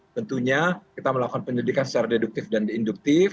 tentunya kita melakukan penyelidikan secara deduktif dan induktif